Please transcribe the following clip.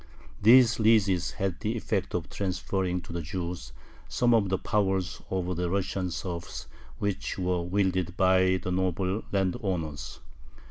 These leases had the effect of transferring to the Jews some of the powers over the Russian serfs which were wielded by the noble landowners.